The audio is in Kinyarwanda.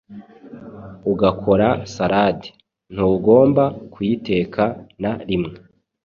ugakora salade. Ntugomba kuyiteka na rimwe.